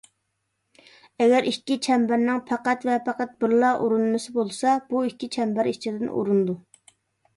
ئەگەر ئىككى چەمبەرنىڭ پەقەت ۋە پەقەت بىرلا ئۇرۇنمىسى بولسا، بۇ ئىككى چەمبەر ئىچىدىن ئۇرۇنىدۇ.